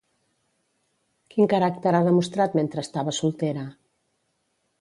Quin caràcter ha demostrat mentre estava soltera?